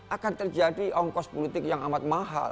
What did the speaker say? akan terjadi ongkos politik yang amat mahal